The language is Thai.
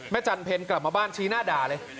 จันเพ็ญกลับมาบ้านชี้หน้าด่าเลย